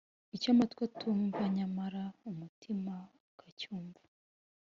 icyo amatwi atumva nyamara umutima ukacyumva